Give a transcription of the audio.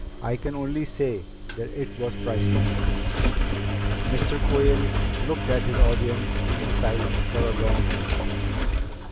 I can only say that it was priceless." Mr. Quayle looked at his audience in silence for a long moment.